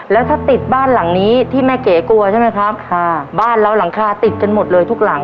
แล้วถ้าติดบ้านหลังนี้ที่แม่เก๋กลัวใช่ไหมครับค่ะบ้านเราหลังคาติดกันหมดเลยทุกหลัง